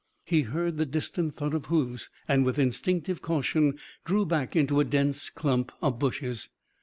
He heard the distant thud of hoofs and with instinctive caution drew back into a dense clump of bushes.